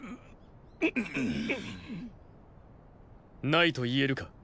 ないと言えるか？